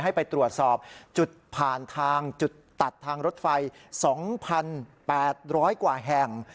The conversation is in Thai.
ให้ไปตรวจสอบจุดผ่านทางจุดตัดทางรถไฟ๒๘๐๐กว่าแห่ง